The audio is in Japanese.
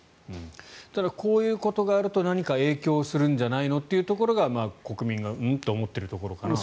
ただこういうことがあると何か影響するんじゃないのっていうところが国民がうん？と思っているところかと。